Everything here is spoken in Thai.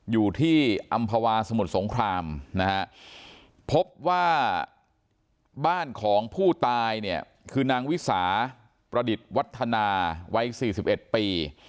อยู่ที่อำภาวาสมุทรสงครามนะฮะพบว่าบ้านของผู้ตายเนี่ยคือนางวิสาประดิษฐ์วัฒนาวัย๔๑ปี